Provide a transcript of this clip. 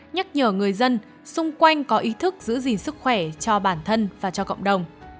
nhắc nhở người dân xung quanh có ý thức giữ gìn sức khỏe cho bản thân và cho cộng đồng